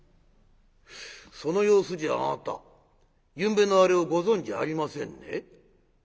「その様子じゃあなたゆんべのアレをご存じありませんね？」。